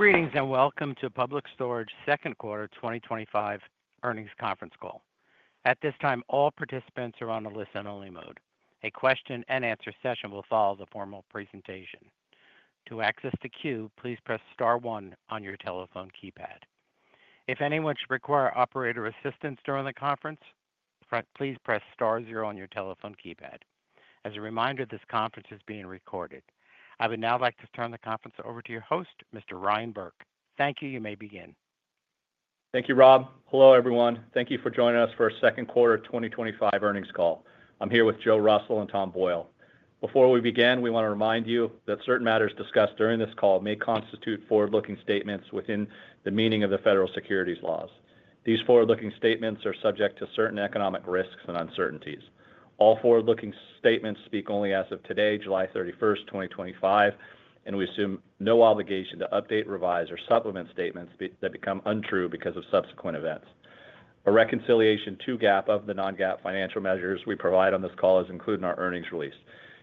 Greetings and welcome to Public Storage Second Quarter 2025 earnings conference call. At this time, all participants are on a listen-only mode. A question-and-answer session will follow the formal presentation. To access the queue, please press Star 1 on your telephone keypad. If anyone should require operator assistance during the conference, please press Star 0 on your telephone keypad. As a reminder, this conference is being recorded. I would now like to turn the conference over to your host, Mr. Ryan Burke. Thank you. You may begin. Thank you, Rob. Hello, everyone. Thank you for joining us for our Second Quarter 2025 earnings call. I'm here with Joe Russell and Tom Boyle. Before we begin, we want to remind you that certain matters discussed during this call may constitute forward-looking statements within the meaning of the federal securities laws. These forward-looking statements are subject to certain economic risks and uncertainties. All forward-looking statements speak only as of today, July 31, 2025, and we assume no obligation to update, revise, or supplement statements that become untrue because of subsequent events. A reconciliation to GAAP of the non-GAAP financial measures we provide on this call is included in our earnings release.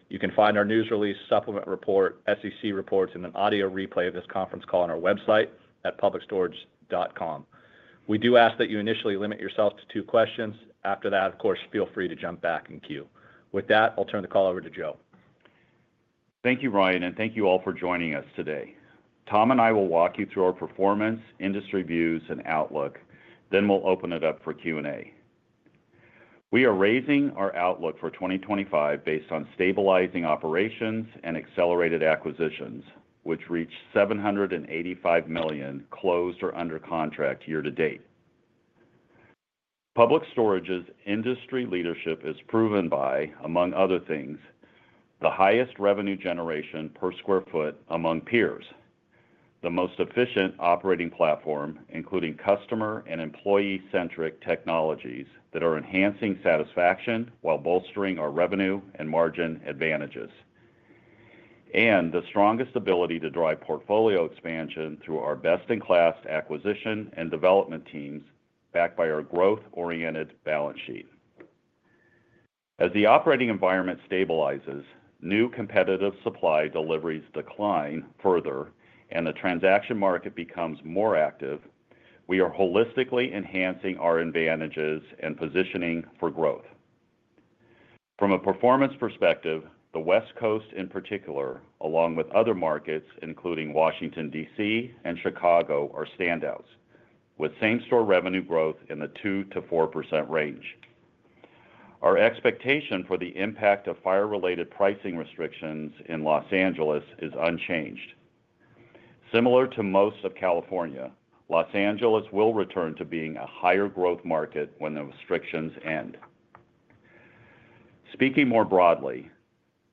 You can find our news release, supplement report, SEC reports, and an audio replay of this conference call on our website at publicstorage.com. We do ask that you initially limit yourself to two questions. After that, of course, feel free to jump back in queue. With that, I'll turn the call over to Joe. Thank you, Ryan, and thank you all for joining us today. Tom and I will walk you through our performance, industry views, and outlook. Then we'll open it up for Q&A. We are raising our outlook for 2025 based on stabilizing operations and accelerated acquisitions, which reached $785 million closed or under contract year to date. Public Storage's industry leadership is proven by, among other things, the highest revenue generation per square foot among peers, the most efficient operating platform, including customer and employee-centric technologies that are enhancing satisfaction while bolstering our revenue and margin advantages. The strongest ability to drive portfolio expansion through our best-in-class acquisition and development teams is backed by our growth-oriented balance sheet. As the operating environment stabilizes, new competitive supply deliveries decline further, and the transaction market becomes more active, we are holistically enhancing our advantages and positioning for growth. From a performance perspective, the West Coast in particular, along with other markets including Washington, D.C., and Chicago, are standouts, with same-store revenue growth in the 2% to 4% range. Our expectation for the impact of fire-related pricing restrictions in Los Angeles is unchanged. Similar to most of California, Los Angeles will return to being a higher-growth market when the restrictions end. Speaking more broadly,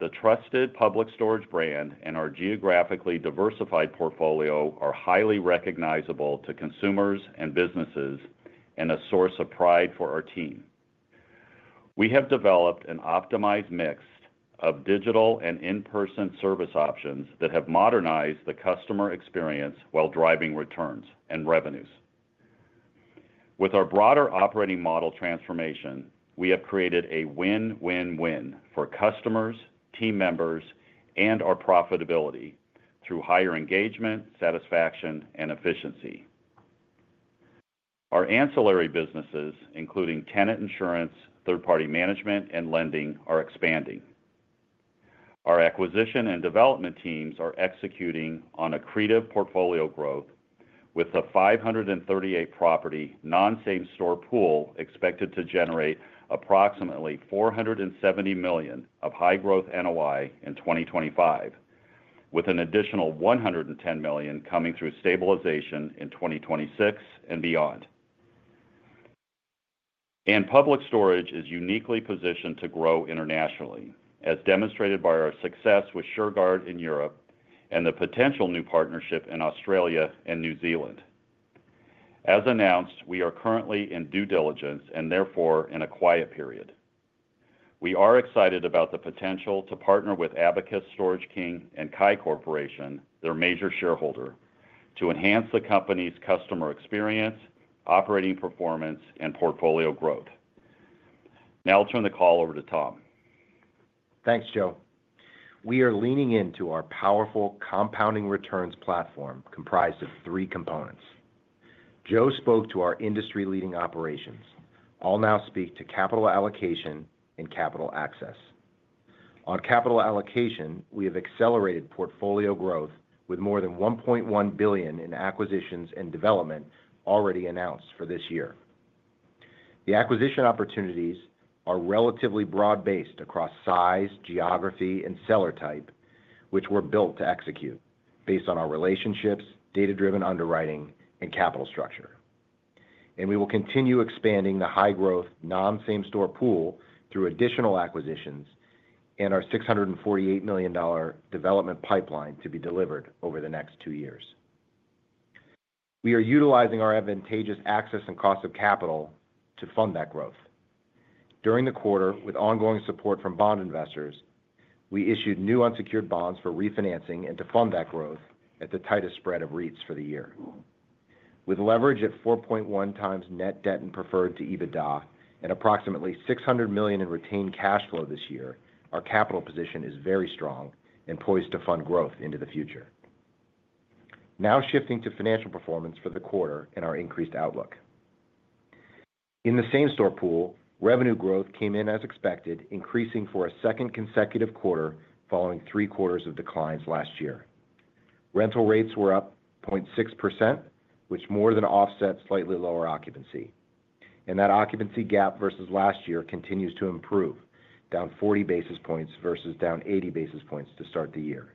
the trusted Public Storage brand and our geographically diversified portfolio are highly recognizable to consumers and businesses and a source of pride for our team. We have developed an optimized mix of digital and in-person service options that have modernized the customer experience while driving returns and revenues. With our broader operating model transformation, we have created a win-win-win for customers, team members, and our profitability through higher engagement, satisfaction, and efficiency. Our ancillary businesses, including tenant insurance, third-party management, and lending, are expanding. Our acquisition and development teams are executing on accretive portfolio growth with a 538-property non-same-store pool expected to generate approximately $470 million of high-growth NOI in 2025, with an additional $110 million coming through stabilization in 2026 and beyond. Public Storage is uniquely positioned to grow internationally, as demonstrated by our success with Shurgard in Europe and the potential new partnership in Australia and New Zealand. As announced, we are currently in due diligence and therefore in a quiet period. We are excited about the potential to partner with Abacus Storage King and Kye Corporation, their major shareholder, to enhance the company's customer experience, operating performance, and portfolio growth. Now I'll turn the call over to Tom. Thanks, Joe. We are leaning into our powerful compounding returns platform comprised of three components. Joe spoke to our industry-leading operations. I'll now speak to capital allocation and capital access. On capital allocation, we have accelerated portfolio growth with more than $1.1 billion in acquisitions and development already announced for this year. The acquisition opportunities are relatively broad-based across size, geography, and seller type, which we are built to execute based on our relationships, data-driven underwriting, and capital structure. We will continue expanding the high-growth non-same-store pool through additional acquisitions and our $648 million development pipeline to be delivered over the next two years. We are utilizing our advantageous access and cost of capital to fund that growth. During the quarter, with ongoing support from bond investors, we issued new unsecured bonds for refinancing and to fund that growth at the tightest spread of REITs for the year. With leverage at 4.1 times net debt and preferred to EBITDA and approximately $600 million in retained cash flow this year, our capital position is very strong and poised to fund growth into the future. Now shifting to financial performance for the quarter and our increased outlook. In the same-store pool, revenue growth came in as expected, increasing for a second consecutive quarter following three quarters of declines last year. Rental rates were up 0.6%, which more than offsets slightly lower occupancy. That occupancy gap versus last year continues to improve, down 40 basis points versus down 80 basis points to start the year.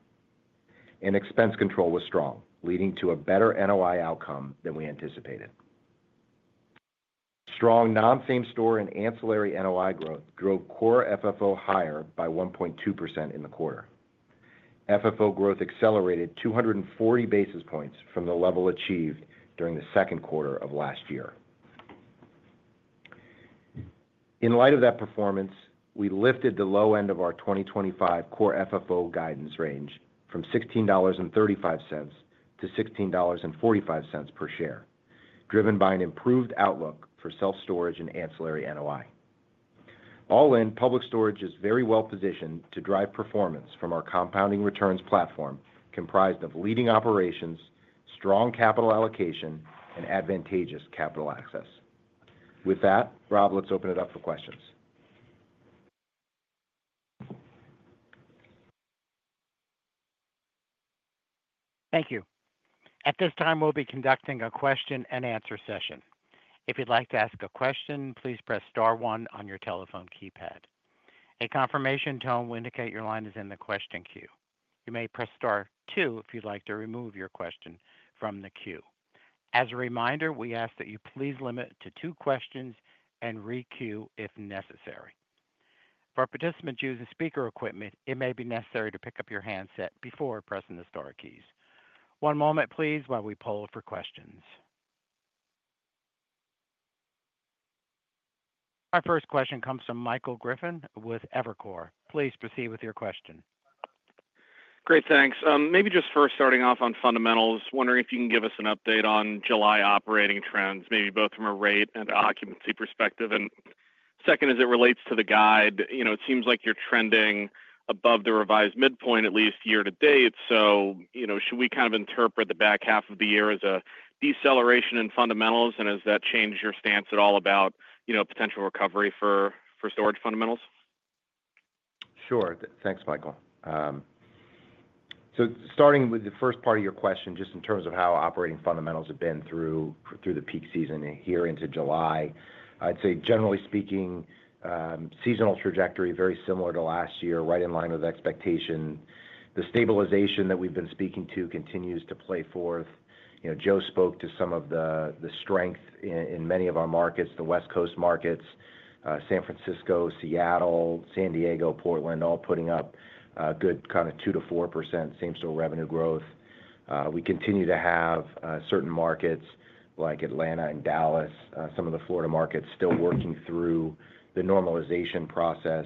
Expense control was strong, leading to a better NOI outcome than we anticipated. Strong non-same-store and ancillary NOI growth drove core FFO higher by 1.2% in the quarter. FFO growth accelerated 240 basis points from the level achieved during the second quarter of last year. In light of that performance, we lifted the low end of our 2025 core FFO guidance range from $16.35 to $16.45 per share, driven by an improved outlook for self-storage and ancillary NOI. All in, Public Storage is very well positioned to drive performance from our compounding returns platform comprised of leading operations, strong capital allocation, and advantageous capital access. With that, Rob, let's open it up for questions. Thank you. At this time, we'll be conducting a question-and-answer session. If you'd like to ask a question, please press star one on your telephone keypad. A confirmation tone will indicate your line is in the question queue. You may press star two if you'd like to remove your question from the queue. As a reminder, we ask that you please limit to two questions and re-queue if necessary. For participants using speaker equipment, it may be necessary to pick up your handset before pressing the star keys. One moment, please, while we poll for questions. Our first question comes from Michael Griffin with Evercore. Please proceed with your question. Great. Thanks. Maybe just first starting off on fundamentals, wondering if you can give us an update on July operating trends, maybe both from a rate and occupancy perspective. As it relates to the guide, it seems like you're trending above the revised midpoint, at least year to date. Should we kind of interpret the back half of the year as a deceleration in fundamentals? Has that changed your stance at all about potential recovery for storage fundamentals? Sure. Thanks, Michael. Starting with the first part of your question, just in terms of how operating fundamentals have been through the peak season here into July, I'd say, generally speaking, seasonal trajectory very similar to last year, right in line with expectation. The stabilization that we've been speaking to continues to play forth. Joe spoke to some of the strength in many of our markets, the West Coast markets, San Francisco, Seattle, San Diego, Portland, all putting up good kind of 2% to 4% same-store revenue growth. We continue to have certain markets like Atlanta and Dallas, some of the Florida markets still working through the normalization process.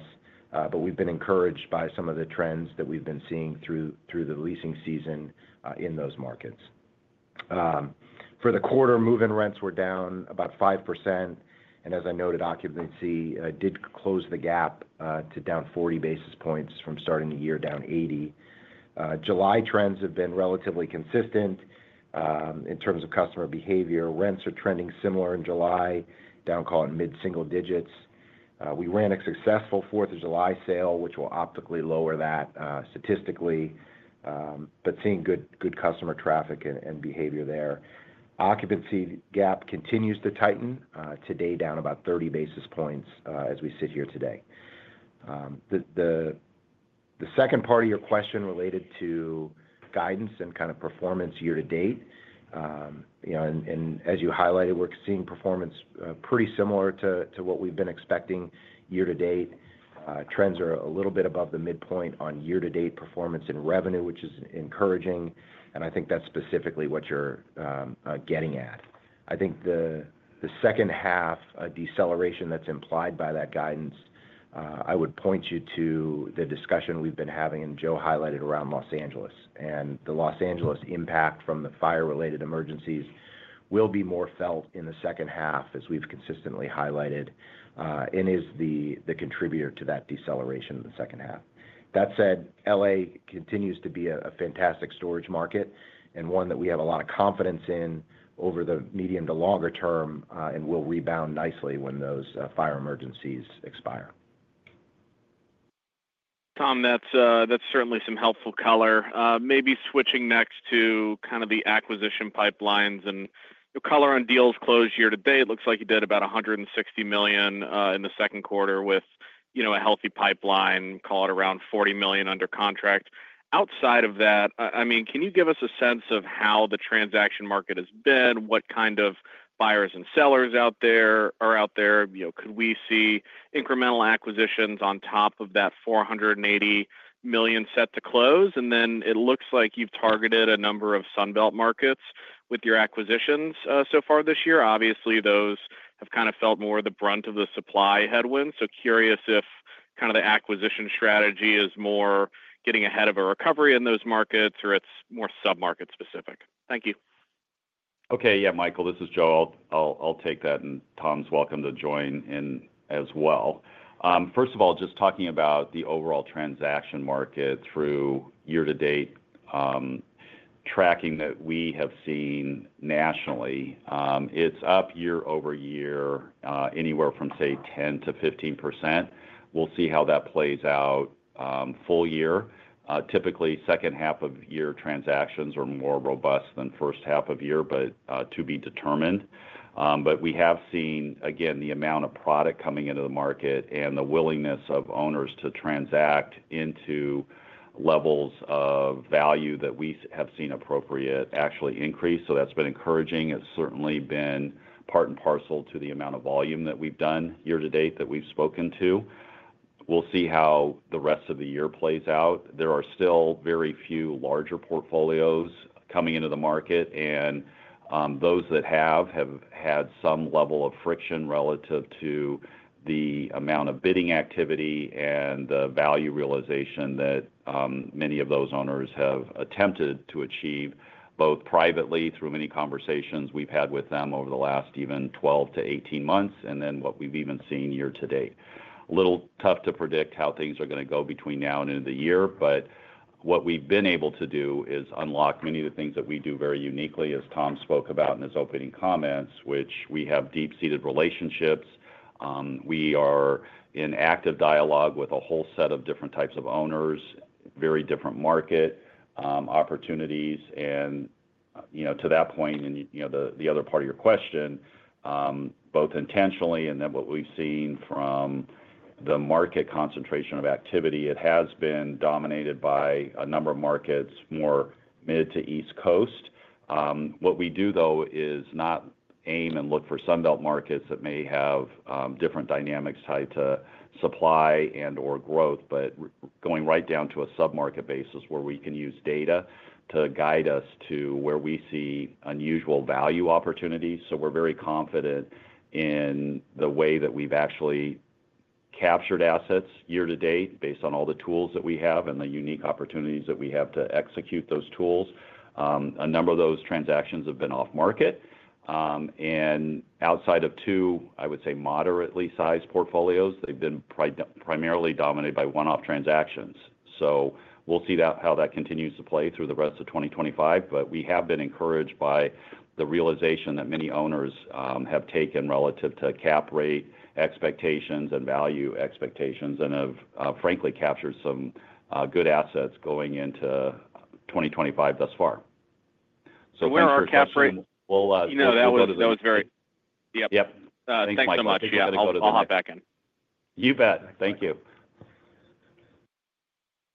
We've been encouraged by some of the trends that we've been seeing through the leasing season in those markets. For the quarter, move-in rents were down about 5%, and as I noted, occupancy did close the gap to down 40 basis points from starting the year, down 80. July trends have been relatively consistent. In terms of customer behavior, rents are trending similar in July, down, call it mid-single digits. We ran a successful 4th of July sale, which will optically lower that statistically, but seeing good customer traffic and behavior there. Occupancy gap continues to tighten, today down about 30 basis points as we sit here today. The second part of your question related to guidance and kind of performance year to date. As you highlighted, we're seeing performance pretty similar to what we've been expecting year to date. Trends are a little bit above the midpoint on year-to-date performance and revenue, which is encouraging. I think that's specifically what you're getting at. I think the second-half deceleration that's implied by that guidance, I would point you to the discussion we've been having and Joe highlighted around Los Angeles. The Los Angeles impact from the fire-related emergencies will be more felt in the second half, as we've consistently highlighted, and is the contributor to that deceleration in the second half. That said, LA continues to be a fantastic storage market and one that we have a lot of confidence in over the medium to longer term and will rebound nicely when those fire emergencies expire. Tom, that's certainly some helpful color. Maybe switching next to kind of the acquisition pipelines and color on deals closed year to date, it looks like you did about $160 million in the second quarter with a healthy pipeline, call it around $40 million under contract. Outside of that, can you give us a sense of how the transaction market has been, what kind of buyers and sellers are out there? Could we see incremental acquisitions on top of that $480 million set to close? It looks like you've targeted a number of Sunbelt markets with your acquisitions so far this year. Obviously, those have kind of felt more the brunt of the supply headwinds. Curious if kind of the acquisition strategy is more getting ahead of a recovery in those markets or it's more sub-market specific. Thank you. Okay. Yeah, Michael, this is Joe. I'll take that. Tom's welcome to join in as well. First of all, just talking about the overall transaction market through year-to-date. Tracking that, we have seen nationally, it's up year over year anywhere from, say, 10% to 15%. We'll see how that plays out full year. Typically, second half of year transactions are more robust than first half of year, to be determined. We have seen, again, the amount of product coming into the market and the willingness of owners to transact into levels of value that we have seen appropriate actually increase. That's been encouraging. It's certainly been part and parcel to the amount of volume that we've done year to date that we've spoken to. We'll see how the rest of the year plays out. There are still very few larger portfolios coming into the market. Those that have have had some level of friction relative to the amount of bidding activity and the value realization that many of those owners have attempted to achieve both privately through many conversations we've had with them over the last even 12 to 18 months and then what we've even seen year to date. It's a little tough to predict how things are going to go between now and into the year, but what we've been able to do is unlock many of the things that we do very uniquely, as Tom spoke about in his opening comments, which we have deep-seated relationships. We are in active dialogue with a whole set of different types of owners, very different market opportunities. To that point, and the other part of your question, both intentionally and then what we've seen from the market concentration of activity, it has been dominated by a number of markets, more mid to East Coast. What we do, though, is not aim and look for Sunbelt markets that may have different dynamics tied to supply and/or growth, but going right down to a sub-market basis where we can use data to guide us to where we see unusual value opportunities. We're very confident in the way that we've actually captured assets year to date based on all the tools that we have and the unique opportunities that we have to execute those tools. A number of those transactions have been off-market. Outside of two, I would say, moderately sized portfolios, they've been primarily dominated by one-off transactions. We'll see how that continues to play through the rest of 2025. We have been encouraged by the realization that many owners have taken relative to cap rate expectations and value expectations and have, frankly, captured some good assets going into 2025 thus far. For our cap rate, we'll explore those. That was very, yeah. Thank you so much. I'll hop back in. You bet. Thank you.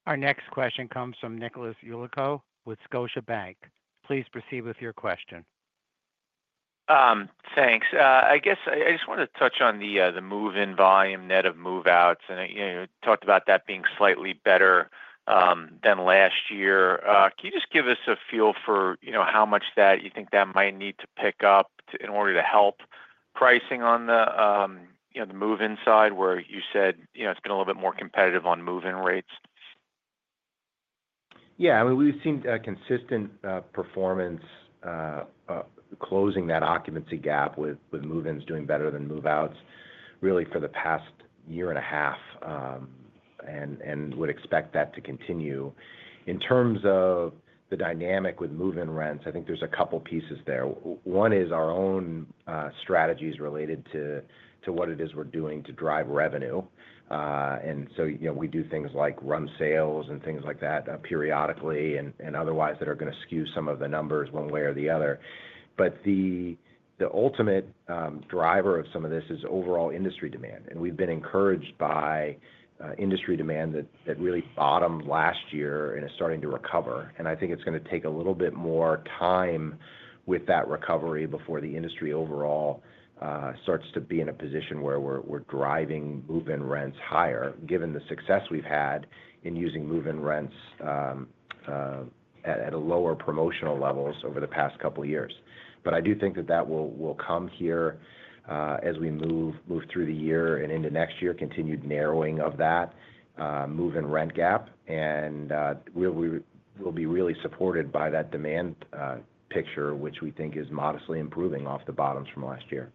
Our next question comes from Nicholas Yulico with Scotiabank. Please proceed with your question. Thanks. I guess I just want to touch on the move-in volume, net of move-outs. You talked about that being slightly better than last year. Can you just give us a feel for how much that you think that might need to pick up in order to help pricing on the move-in side where you said it's been a little bit more competitive on move-in rates? Yeah. I mean, we've seen consistent performance, closing that occupancy gap with move-ins doing better than move-outs really for the past year and a half. I would expect that to continue. In terms of the dynamic with move-in rents, I think there's a couple of pieces there. One is our own strategies related to what it is we're doing to drive revenue. We do things like run sales and things like that periodically and otherwise that are going to skew some of the numbers one way or the other. The ultimate driver of some of this is overall industry demand. We've been encouraged by industry demand that really bottomed last year and is starting to recover. I think it's going to take a little bit more time with that recovery before the industry overall starts to be in a position where we're driving move-in rents higher, given the success we've had in using move-in rents at lower promotional levels over the past couple of years. I do think that will come here as we move through the year and into next year, continued narrowing of that move-in rent gap. We'll be really supported by that demand picture, which we think is modestly improving off the bottoms from last year.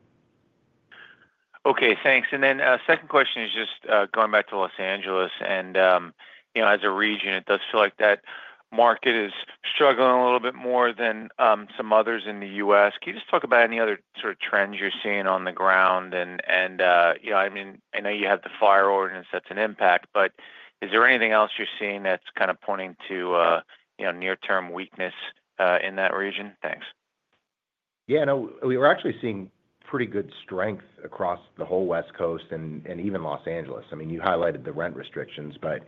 Okay. Thanks. Second question is just going back to Los Angeles. As a region, it does feel like that market is struggling a little bit more than some others in the U.S. Can you just talk about any other sort of trends you're seeing on the ground? I know you have the fire ordinance that's an impact, but is there anything else you're seeing that's kind of pointing to near-term weakness in that region? Thanks. Yeah. No, we were actually seeing pretty good strength across the whole West Coast and even Los Angeles. I mean, you highlighted the rent restrictions, but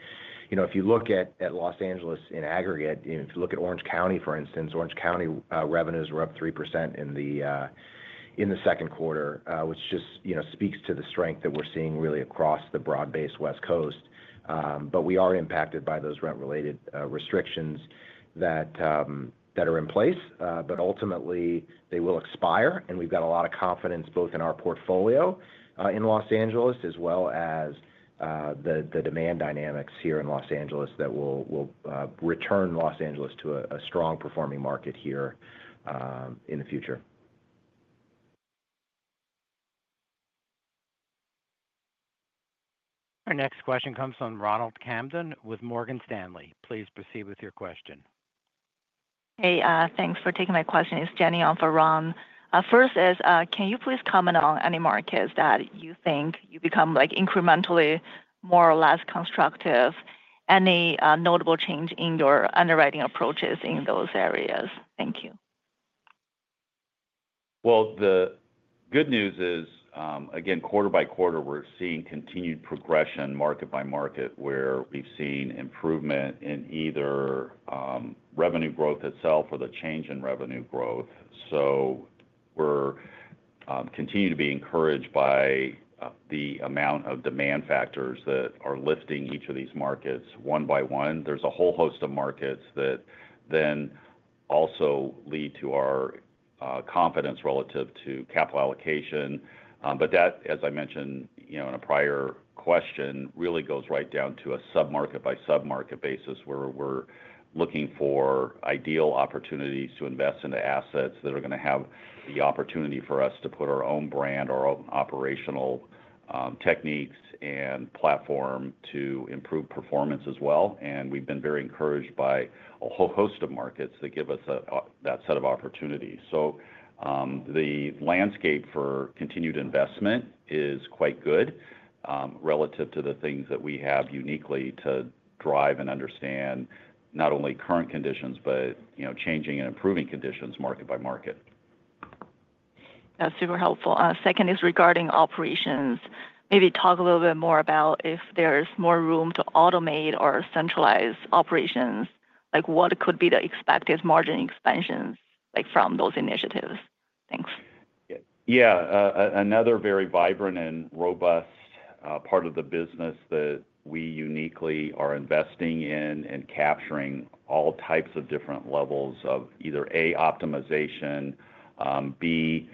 if you look at Los Angeles in aggregate, if you look at Orange County, for instance, Orange County revenues were up 3% in the second quarter, which just speaks to the strength that we're seeing really across the broad-based West Coast. We are impacted by those rent-related restrictions that are in place, but ultimately they will expire. We've got a lot of confidence both in our portfolio in Los Angeles as well as the demand dynamics here in Los Angeles that will return Los Angeles to a strong performing market here in the future. Our next question comes from Ronald Camden with Morgan Stanley. Please proceed with your question. Hey, thanks for taking my question. It's Jenny on for Ron. First, can you please comment on any markets that you think you become incrementally more or less constructive? Any notable change in your underwriting approaches in those areas? Thank you. The good news is, again, quarter by quarter, we're seeing continued progression market by market where we've seen improvement in either revenue growth itself or the change in revenue growth. We're continued to be encouraged by the amount of demand factors that are lifting each of these markets one by one. There's a whole host of markets that then also lead to our confidence relative to capital allocation. That, as I mentioned in a prior question, really goes right down to a sub-market by sub-market basis where we're looking for ideal opportunities to invest into assets that are going to have the opportunity for us to put our own brand or operational techniques and platform to improve performance as well. We've been very encouraged by a whole host of markets that give us that set of opportunities. The landscape for continued investment is quite good relative to the things that we have uniquely to drive and understand, not only current conditions, but changing and improving conditions market by market. That's super helpful. Second is regarding operations. Maybe talk a little bit more about if there's more room to automate or centralize operations. What could be the expected margin expansions from those initiatives? Thanks. Yeah. Another very vibrant and robust part of the business that we uniquely are investing in and capturing all types of different levels of either A, optimization, B,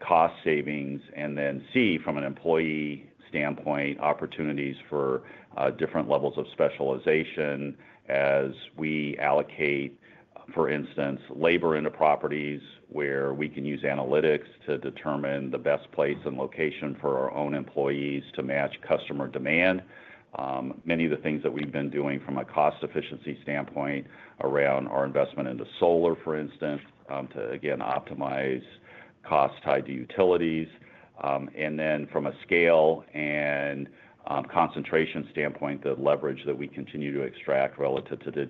cost savings, and then C, from an employee standpoint, opportunities for different levels of specialization as we allocate, for instance, labor into properties where we can use analytics to determine the best place and location for our own employees to match customer demand. Many of the things that we've been doing from a cost efficiency standpoint around our investment into solar, for instance, to again optimize costs tied to utilities. From a scale and concentration standpoint, the leverage that we continue to extract relative to,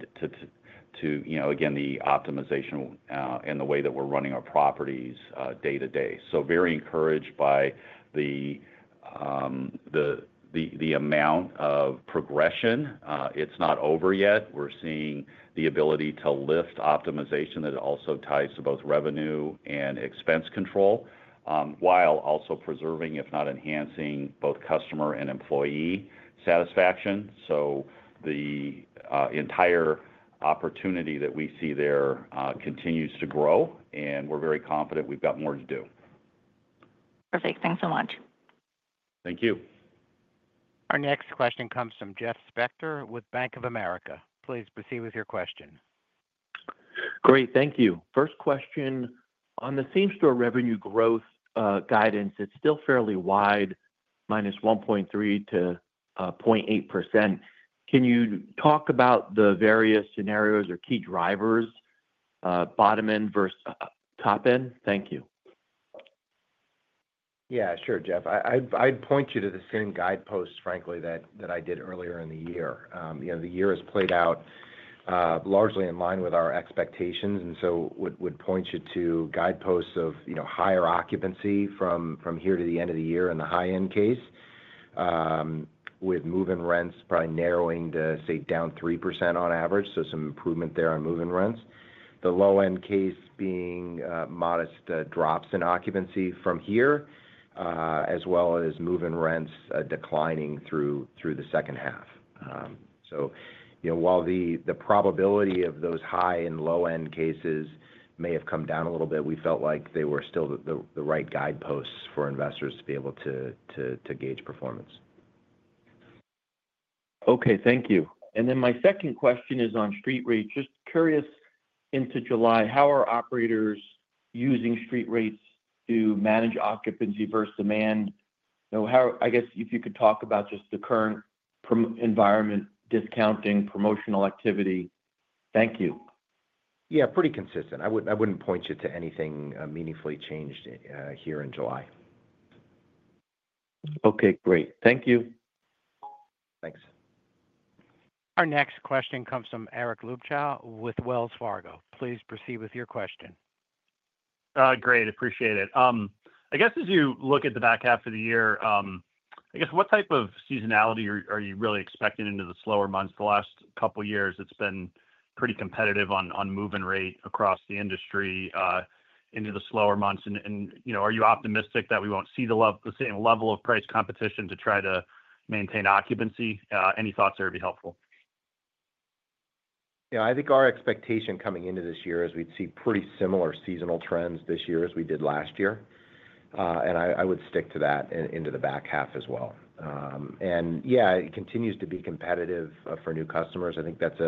again, the optimization and the way that we're running our properties day to day is significant. Very encouraged by the amount of progression. It's not over yet. We're seeing the ability to lift optimization that also ties to both revenue and expense control while also preserving, if not enhancing, both customer and employee satisfaction. The entire opportunity that we see there continues to grow, and we're very confident we've got more to do. Perfect. Thanks so much. Thank you. Our next question comes from Jeff Spector with Bank of America. Please proceed with your question. Great. Thank you. First question. On the same-store revenue growth guidance, it's still fairly wide, minus 1.3% to 0.8%. Can you talk about the various scenarios or key drivers, bottom end versus top end? Thank you. Yeah, sure, Jeff. I'd point you to the same guideposts, frankly, that I did earlier in the year. The year has played out largely in line with our expectations, and so would point you to guideposts of higher occupancy from here to the end of the year in the high-end case, with move-in rents probably narrowing to, say, down 3% on average. Some improvement there on move-in rents. The low-end case being modest drops in occupancy from here, as well as move-in rents declining through the second half. While the probability of those high and low-end cases may have come down a little bit, we felt like they were still the right guideposts for investors to be able to gauge performance. Okay. Thank you. My second question is on street rates. Just curious into July, how are operators using street rates to manage occupancy versus demand? I guess if you could talk about just the current environment, discounting, promotional activity. Thank you. Yeah, pretty consistent. I wouldn't point you to anything meaningfully changed here in July. Okay. Great. Thank you. Thanks. Our next question comes from Eric Luebchow with Wells Fargo. Please proceed with your question. Great. Appreciate it. I guess as you look at the back half of the year, what type of seasonality are you really expecting into the slower months? The last couple of years, it's been pretty competitive on move-in rate across the industry into the slower months. Are you optimistic that we won't see the same level of price competition to try to maintain occupancy? Any thoughts that would be helpful? I think our expectation coming into this year is we'd see pretty similar seasonal trends this year as we did last year. I would stick to that into the back half as well. It continues to be competitive for new customers. I think that's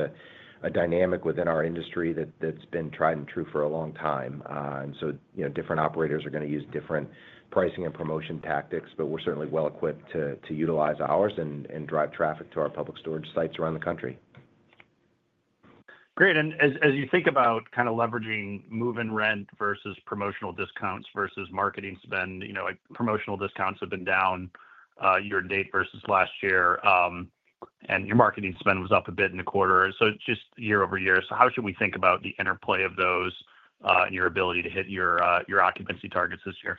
a dynamic within our industry that's been tried and true for a long time. Different operators are going to use different pricing and promotion tactics, but we're certainly well equipped to utilize ours and drive traffic to our Public Storage sites around the country. Great. As you think about kind of leveraging move-in rent versus promotional discounts versus marketing spend, promotional discounts have been down year to date versus last year, and your marketing spend was up a bit in the quarter. It's just year over year. How should we think about the interplay of those and your ability to hit your occupancy targets this year?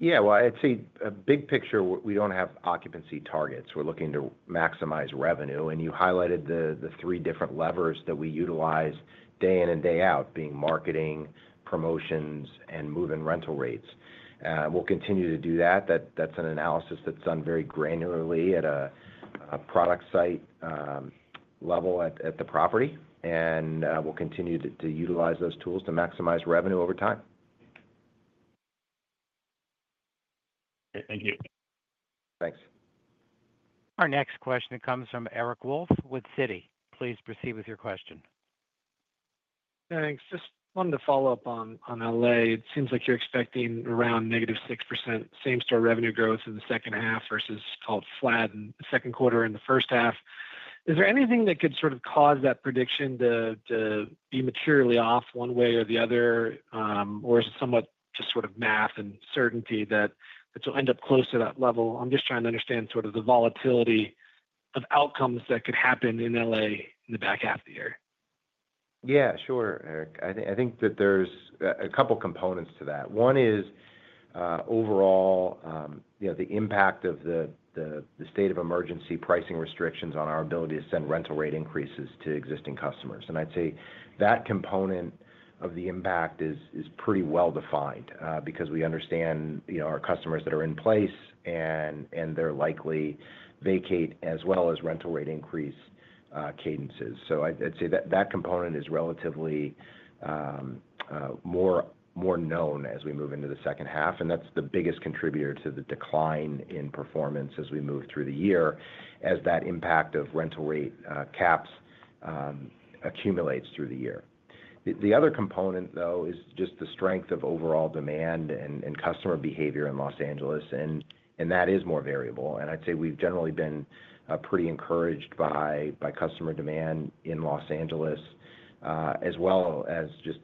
I'd say big picture, we don't have occupancy targets. We're looking to maximize revenue. You highlighted the three different levers that we utilize day in and day out, being marketing, promotions, and move-in rental rates. We'll continue to do that. That's an analysis that's done very granularly at a product site level at the property. We'll continue to utilize those tools to maximize revenue over time. Okay, thank you. Thanks. Our next question comes from Eric Wolfe with Citi. Please proceed with your question. Thanks. Just wanted to follow up on Los Angeles. It seems like you're expecting around negative 6% same-store revenue growth in the second half versus flat in the second quarter and the first half. Is there anything that could cause that prediction to be materially off one way or the other? Is it somewhat just math and certainty that it'll end up close to that level? I'm just trying to understand the volatility of outcomes that could happen in Los Angeles in the back half of the year. Yeah, sure, Eric. I think that there's a couple of components to that. One is overall, the impact of the state of emergency pricing restrictions on our ability to send rental rate increases to existing customers. I'd say that component of the impact is pretty well defined because we understand our customers that are in place and they're likely to vacate as well as rental rate increase cadences. I'd say that component is relatively more known as we move into the second half, and that's the biggest contributor to the decline in performance as we move through the year as that impact of rental rate caps accumulates through the year. The other component, though, is just the strength of overall demand and customer behavior in Los Angeles, and that is more variable. I'd say we've generally been pretty encouraged by customer demand in Los Angeles as well as just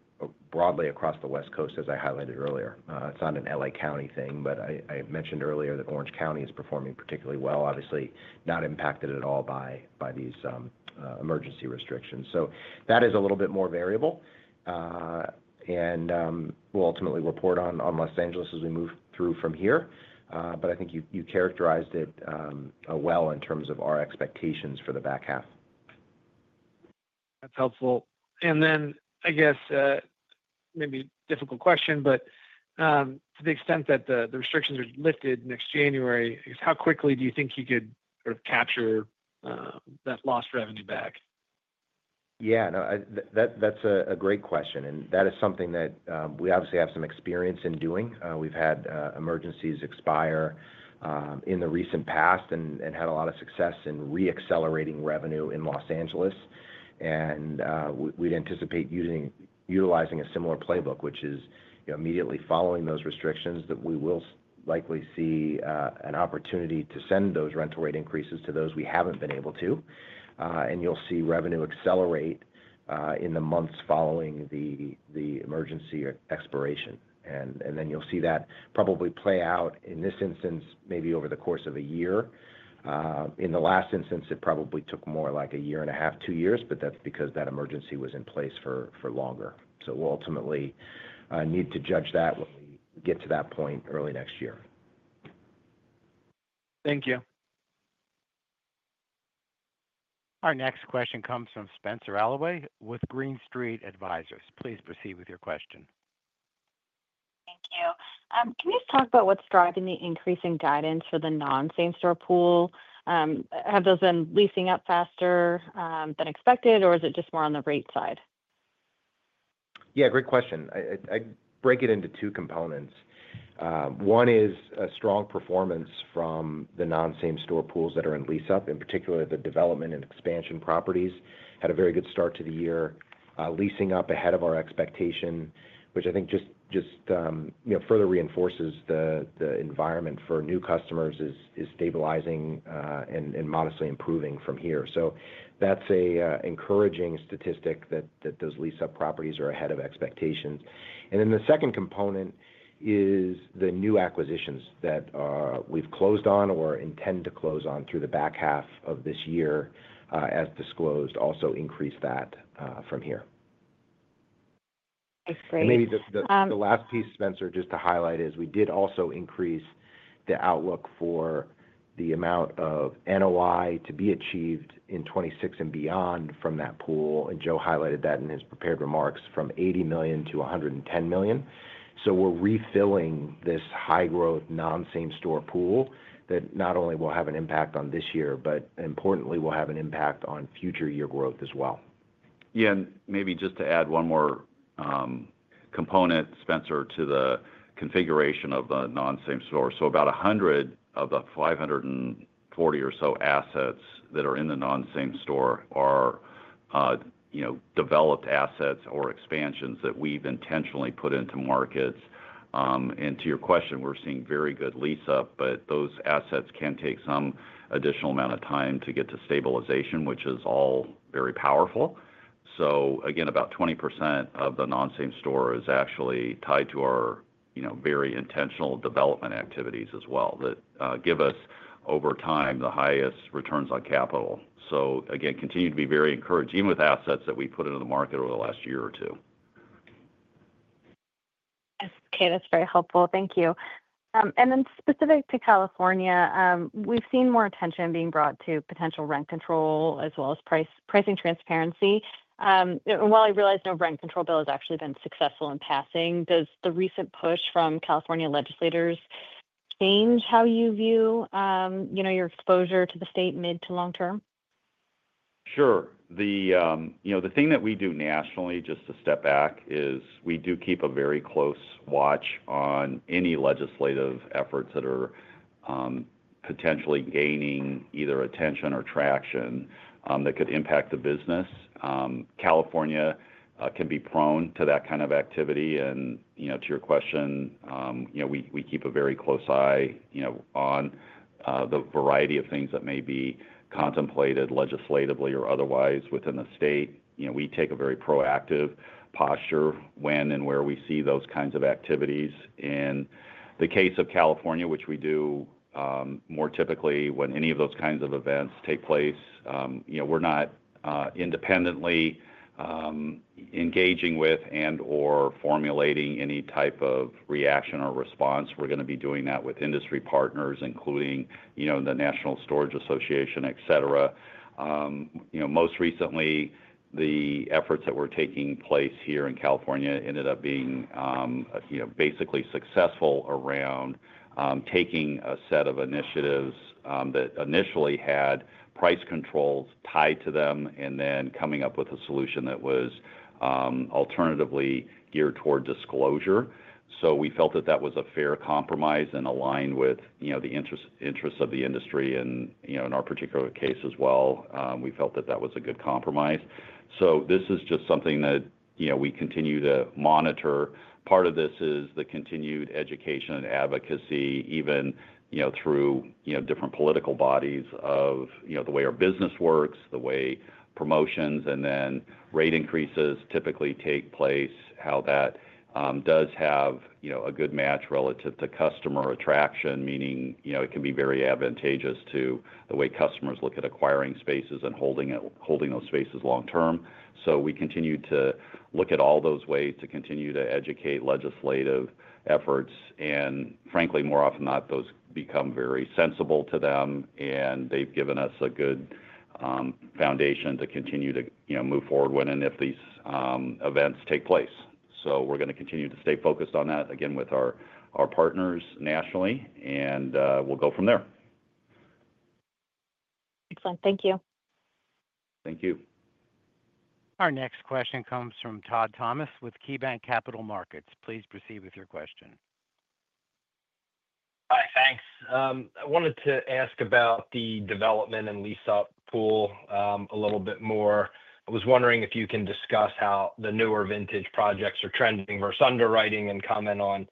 broadly across the West Coast, as I highlighted earlier. It's not an LA County thing, but I mentioned earlier that Orange County is performing particularly well, obviously not impacted at all by these emergency restrictions. That is a little bit more variable, and we'll ultimately report on Los Angeles as we move through from here. I think you characterized it well in terms of our expectations for the back half. That's helpful. I guess maybe a difficult question, but to the extent that the restrictions are lifted next January, how quickly do you think you could sort of capture that lost revenue back? Yeah, that's a great question. That is something that we obviously have some experience in doing. We've had emergencies expire in the recent past and had a lot of success in re-accelerating revenue in Los Angeles. We'd anticipate utilizing a similar playbook, which is immediately following those restrictions, we will likely see an opportunity to send those rental rate increases to those we haven't been able to. You'll see revenue accelerate in the months following the emergency expiration. You'll see that probably play out, in this instance, maybe over the course of a year. In the last instance, it probably took more like a year and a half, two years, but that's because that emergency was in place for longer. We'll ultimately need to judge that when we get to that point early next year. Thank you. Our next question comes from Spenser Allaway with Green Street Advisors. Please proceed with your question. Thank you. Can you talk about what's driving the increasing guidance for the non-same-store pool? Have those been leasing up faster than expected, or is it just more on the rate side? Yeah, great question. I'd break it into two components. One is a strong performance from the non-same-store pools that are in lease-up. In particular, the development and expansion properties had a very good start to the year, leasing up ahead of our expectation, which I think just further reinforces the environment for new customers is stabilizing and modestly improving from here. That's an encouraging statistic that those lease-up properties are ahead of expectations. The second component is the new acquisitions that we've closed on or intend to close on through the back half of this year as disclosed also increase that from here. That's great. Maybe the last piece, Spencer, just to highlight is we did also increase the outlook for the amount of NOI to be achieved in 2026 and beyond from that pool. Joe highlighted that in his prepared remarks from $80 million to $110 million. We are refilling this high-growth non-same-store pool that not only will have an impact on this year, but importantly, will have an impact on future year growth as well. Yeah, maybe just to add one more component, Spenser, to the configuration of the non-same-store. About 100 of the 540 or so assets that are in the non-same-store are developed assets or expansions that we've intentionally put into markets. To your question, we're seeing very good lease-up, but those assets can take some additional amount of time to get to stabilization, which is all very powerful. About 20% of the non-same-store is actually tied to our very intentional development activities as well that give us over time the highest returns on capital. Continue to be very encouraged, even with assets that we put into the market over the last year or two. Okay. That's very helpful. Thank you. Specific to California, we've seen more attention being brought to potential rent control as well as pricing transparency. While I realize no rent control bill has actually been successful in passing, does the recent push from California legislators change how you view your exposure to the state mid to long term? Sure. The thing that we do nationally, just to step back, is we do keep a very close watch on any legislative efforts that are potentially gaining either attention or traction that could impact the business. California can be prone to that kind of activity. To your question, we keep a very close eye on the variety of things that may be contemplated legislatively or otherwise within the state. We take a very proactive posture when and where we see those kinds of activities. In the case of California, which we do more typically when any of those kinds of events take place, we're not independently engaging with and/or formulating any type of reaction or response. We're going to be doing that with industry partners, including the National Storage Association, etc. Most recently, the efforts that were taking place here in California ended up being basically successful around taking a set of initiatives that initially had price controls tied to them and then coming up with a solution that was alternatively geared toward disclosure. We felt that that was a fair compromise and aligned with the interests of the industry. In our particular case as well, we felt that that was a good compromise. This is just something that we continue to monitor. Part of this is the continued education and advocacy, even through different political bodies of the way our business works, the way promotions and then rate increases typically take place, how that does have a good match relative to customer attraction, meaning it can be very advantageous to the way customers look at acquiring spaces and holding those spaces long term. We continue to look at all those ways to continue to educate legislative efforts. Frankly, more often than not, those become very sensible to them. They've given us a good foundation to continue to move forward when and if these events take place. We're going to continue to stay focused on that, again, with our partners nationally. We'll go from there. Excellent. Thank you. Thank you. Our next question comes from Todd Thomas with KeyBanc Capital Markets. Please proceed with your question. Hi. Thanks. I wanted to ask about the development and lease-up pool a little bit more. I was wondering if you can discuss how the newer vintage projects are trending versus underwriting and comment on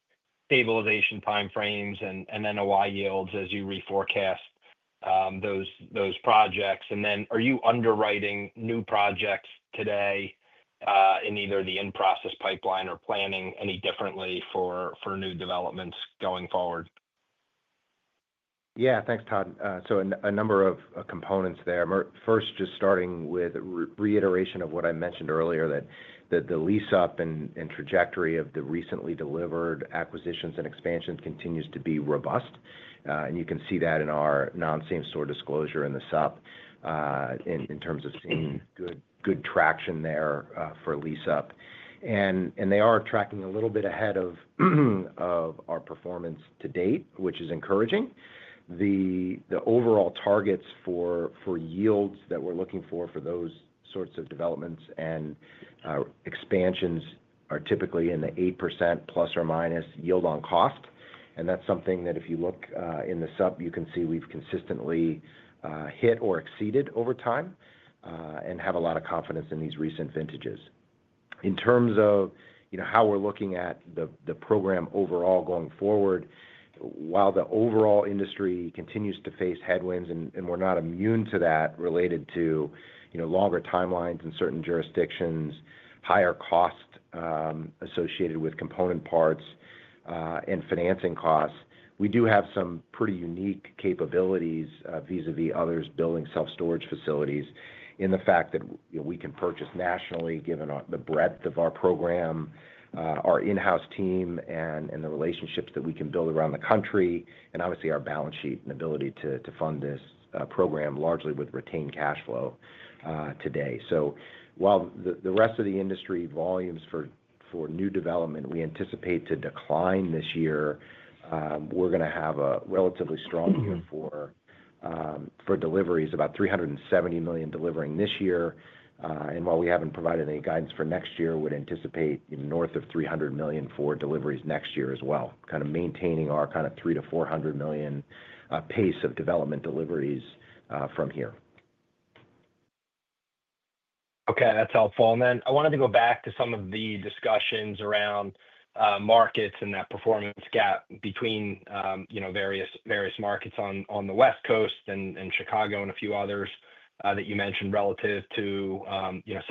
stabilization timeframes and NOI yields as you reforecast those projects. Are you underwriting new projects today in either the in-process pipeline or planning any differently for new developments going forward? Yeah. Thanks, Todd. A number of components there. First, just starting with reiteration of what I mentioned earlier, that the lease-up and trajectory of the recently delivered acquisitions and expansions continues to be robust. You can see that in our non-same-store disclosure in the SUP. In terms of seeing good traction there for lease-up, they are tracking a little bit ahead of our performance to date, which is encouraging. The overall targets for yields that we're looking for for those sorts of developments and expansions are typically in the 8% plus or minus yield on cost. If you look in the SUP, you can see we've consistently hit or exceeded that over time and have a lot of confidence in these recent vintages. In terms of how we're looking at the program overall going forward, while the overall industry continues to face headwinds, and we're not immune to that related to longer timelines in certain jurisdictions, higher cost associated with component parts, and financing costs, we do have some pretty unique capabilities vis-à-vis others building self-storage facilities in the fact that we can purchase nationally, given the breadth of our program, our in-house team, and the relationships that we can build around the country, and obviously our balance sheet and ability to fund this program largely with retained cash flow today. While the rest of the industry volumes for new development, we anticipate to decline this year, we're going to have a relatively strong year for deliveries, about $370 million delivering this year. While we haven't provided any guidance for next year, we would anticipate north of $300 million for deliveries next year as well, kind of maintaining our kind of $300 to $400 million pace of development deliveries from here. Okay, that's helpful. I wanted to go back to some of the discussions around markets and that performance gap between various markets on the West Coast and Chicago and a few others that you mentioned relative to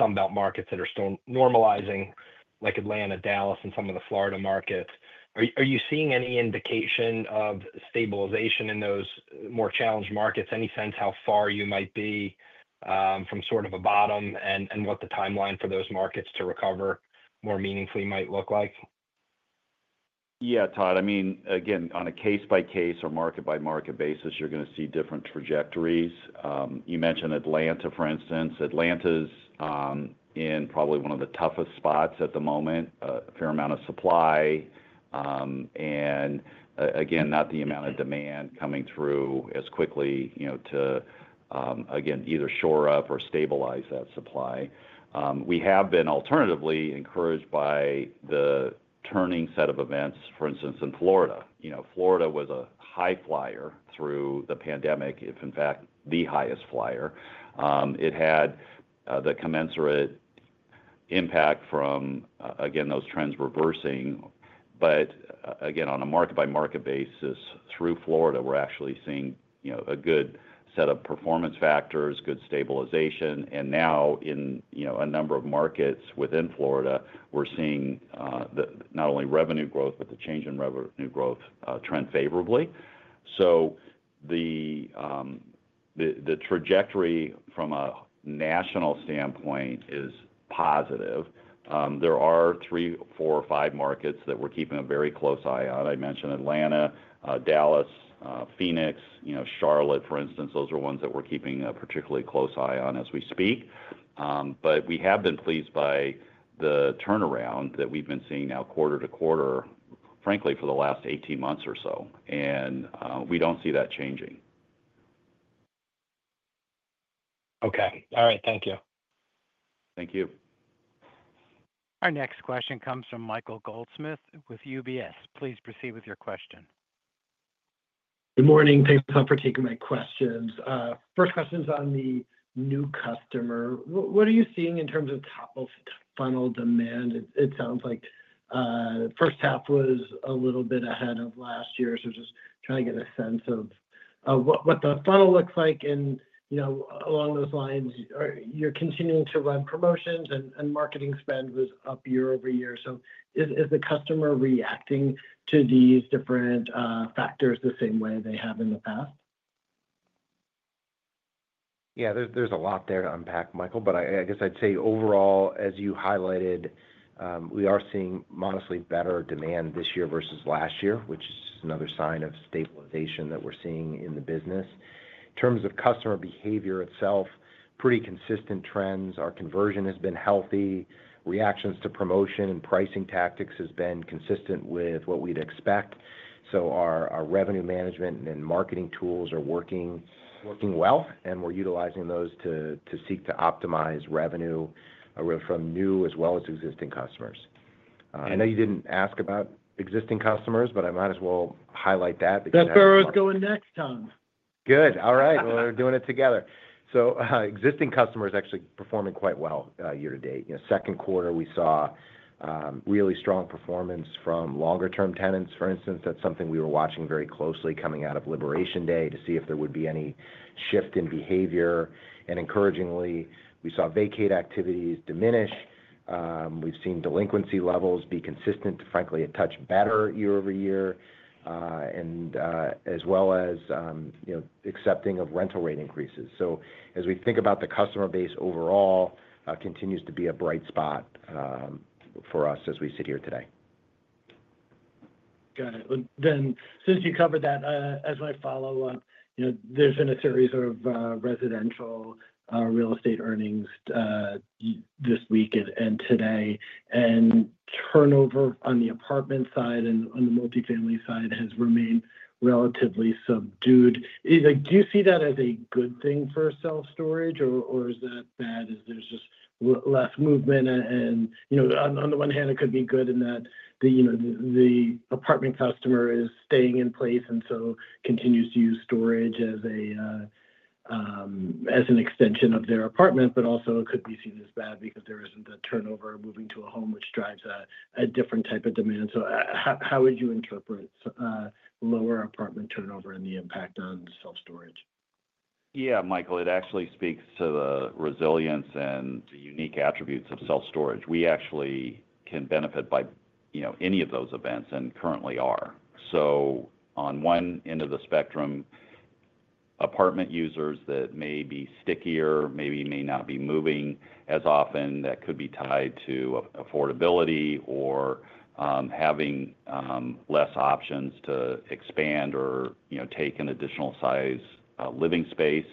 Sunbelt markets that are still normalizing, like Atlanta, Dallas, and some of the Florida markets. Are you seeing any indication of stabilization in those more challenged markets? Any sense how far you might be from sort of a bottom and what the timeline for those markets to recover more meaningfully might look like? Yeah, Todd. I mean, again, on a case-by-case or market-by-market basis, you're going to see different trajectories. You mentioned Atlanta, for instance. Atlanta is in probably one of the toughest spots at the moment, a fair amount of supply, and again, not the amount of demand coming through as quickly to either shore up or stabilize that supply. We have been alternatively encouraged by the turning set of events, for instance, in Florida. Florida was a high flyer through the pandemic, if in fact the highest flyer. It had the commensurate impact from those trends reversing. Again, on a market-by-market basis, through Florida, we're actually seeing a good set of performance factors, good stabilization, and now in a number of markets within Florida, we're seeing not only revenue growth, but the change in revenue growth trend favorably. The trajectory from a national standpoint is positive. There are three, four, or five markets that we're keeping a very close eye on. I mentioned Atlanta, Dallas, Phoenix, Charlotte, for instance. Those are ones that we're keeping a particularly close eye on as we speak. We have been pleased by the turnaround that we've been seeing now quarter to quarter, frankly, for the last 18 months or so, and we don't see that changing. Okay. All right. Thank you. Thank you. Our next question comes from Michael Goldsmith with UBS. Please proceed with your question. Good morning. Thanks for taking my questions. First question is on the new customer. What are you seeing in terms of top-of-funnel demand? It sounds like the first half was a little bit ahead of last year. Just trying to get a sense of what the funnel looks like. Along those lines, you're continuing to run promotions, and marketing spend was up year over year. Is the customer reacting to these different factors the same way they have in the past? Yeah. There's a lot there to unpack, Michael. I guess I'd say overall, as you highlighted, we are seeing modestly better demand this year versus last year, which is another sign of stabilization that we're seeing in the business. In terms of customer behavior itself, pretty consistent trends. Our conversion has been healthy. Reactions to promotion and pricing tactics have been consistent with what we'd expect. Our revenue management and marketing tools are working. We are utilizing those to seek to optimize revenue from new as well as existing customers. I know you didn't ask about existing customers, but I might as well highlight that because. That's where I was going next, Tom. Good. All right. We're doing it together. Existing customers are actually performing quite well year to date. In the second quarter, we saw really strong performance from longer-term tenants, for instance. That's something we were watching very closely coming out of liberation day to see if there would be any shift in behavior. Encouragingly, we saw vacate activities diminish. We've seen delinquency levels be consistent, frankly, a touch better year over year, as well as accepting of rental rate increases. As we think about the customer base overall, it continues to be a bright spot for us as we sit here today. Got it. Since you covered that, as my follow-up, there's been a series of residential real estate earnings this week and today. Turnover on the apartment side and on the multifamily side has remained relatively subdued. Do you see that as a good thing for self-storage, or is that bad? Is there just less movement? On the one hand, it could be good in that the apartment customer is staying in place and so continues to use storage as an extension of their apartment, but also it could be seen as bad because there isn't a turnover moving to a home, which drives a different type of demand. How would you interpret lower apartment turnover and the impact on self-storage? Yeah, Michael. It actually speaks to the resilience and the unique attributes of self-storage. We actually can benefit by any of those events and currently are. On one end of the spectrum, apartment users that may be stickier, maybe may not be moving as often, that could be tied to affordability or having less options to expand or take an additional size living space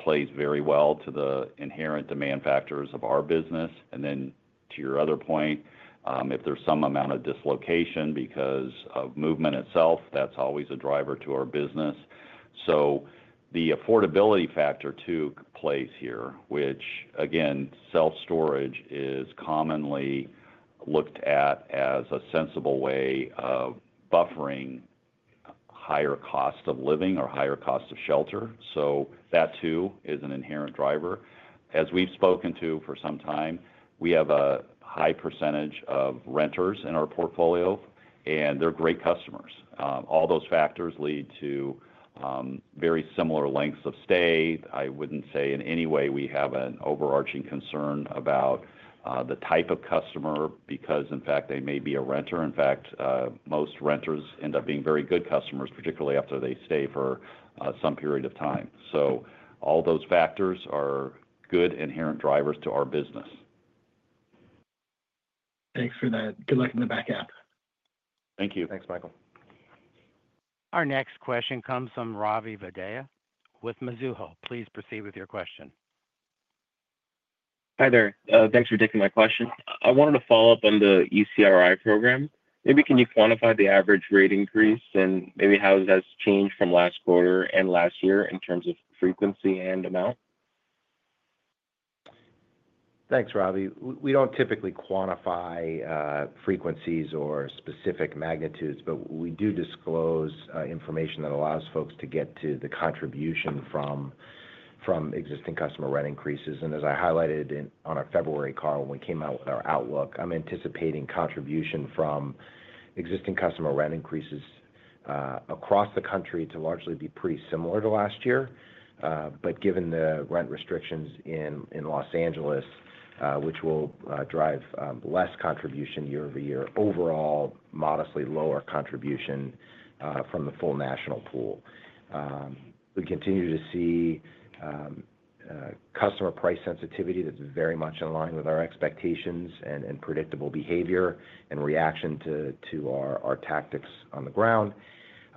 plays very well to the inherent demand factors of our business. To your other point, if there's some amount of dislocation because of movement itself, that's always a driver to our business. The affordability factor too plays here, which, again, self-storage is commonly looked at as a sensible way of buffering higher cost of living or higher cost of shelter. That too is an inherent driver. As we've spoken to for some time, we have a high percentage of renters in our portfolio, and they're great customers. All those factors lead to very similar lengths of stay. I wouldn't say in any way we have an overarching concern about the type of customer because, in fact, they may be a renter. In fact, most renters end up being very good customers, particularly after they stay for some period of time. All those factors are good inherent drivers to our business. Thanks for that. Good luck in the back app. Thank you. Thanks, Michael. Our next question comes from Ravi Vaidya with Mizuho. Please proceed with your question. Hi there. Thanks for taking my question. I wanted to follow up on the ECRI program. Maybe can you quantify the average rate increase and maybe how it has changed from last quarter and last year in terms of frequency and amount? Thanks, Ravi. We don't typically quantify frequencies or specific magnitudes, but we do disclose information that allows folks to get to the contribution from existing customer rent increases. As I highlighted on our February call when we came out with our outlook, I'm anticipating contribution from existing customer rent increases across the country to largely be pretty similar to last year. Given the rent restrictions in Los Angeles, which will drive less contribution year over year, overall there will be a modestly lower contribution from the full national pool. We continue to see customer price sensitivity that's very much in line with our expectations and predictable behavior and reaction to our tactics on the ground,